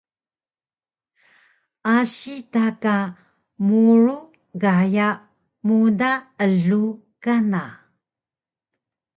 Asi ta ka murug gaya muda elug kana